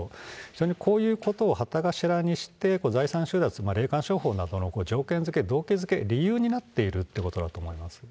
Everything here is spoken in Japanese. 非常にこういうことを旗頭にして、財産収奪、霊感商法などの条件付け、動機付け、理由になっているということだと思います。